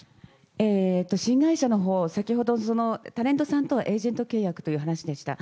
新会社のほう、先ほどタレントさんとはエージェント契約というお話でした。